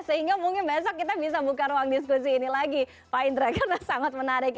sehingga mungkin besok kita bisa buka ruang diskusi ini lagi pak indra karena sangat menarik